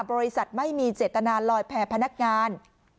บริษัทไม่มีเจตนาลอยแพร่พนักงาน